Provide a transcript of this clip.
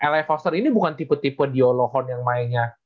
lf foster ini bukan tipe tipe di olohon yang mainnya